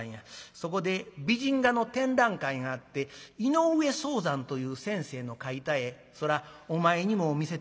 そこで美人画の展覧会があって井上素山という先生の描いた絵そらお前にも見せてやりたかった。